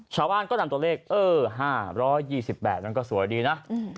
ชาวบ้านก็นำตัวเลข๕๒๘นั้นก็สวยดีนะ